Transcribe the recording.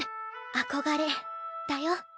憧れだよ。